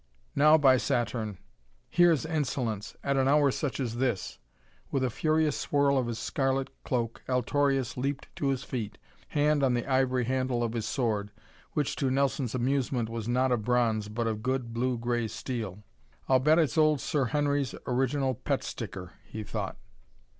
"Now, by Saturn! Here's insolence at an hour such as this!" With a furious swirl of his scarlet cloak Altorius leaped to his feet, hand on the ivory handle of his sword, which, to Nelson's amusement was not of bronze, but of good, blue gray steel. "I'll bet it's old Sir Henry's original pet sticker," he thought.